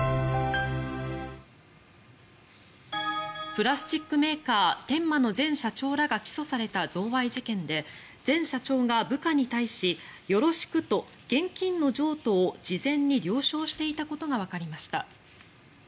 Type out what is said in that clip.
プラスチックメーカー、天馬の前社長らが起訴された贈賄事件で前社長が部下に対し、よろしくと現金の譲渡を事前に了承していたことがわかりました。